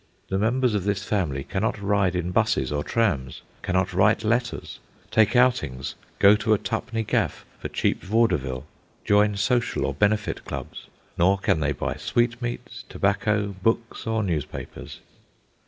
The members of this family cannot ride in busses or trams, cannot write letters, take outings, go to a "tu'penny gaff" for cheap vaudeville, join social or benefit clubs, nor can they buy sweetmeats, tobacco, books, or newspapers.